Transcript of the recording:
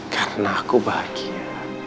karena aku bahagia